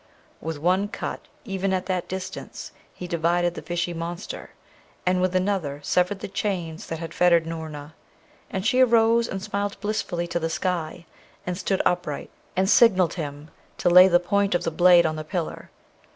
with one cut, even at that distance, he divided the fishy monster, and with another severed the chains that had fettered Noorna; and she arose and smiled blissfully to the sky, and stood upright, and signalled him to lay the point of the blade on the pillar.